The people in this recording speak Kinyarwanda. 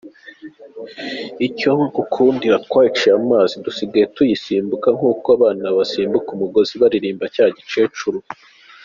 Icyo nkukundira twayiciye amazi dusigaye tuyisimbuka nk’uko abana basimbuka umugozi biririmbira cya gikecuru.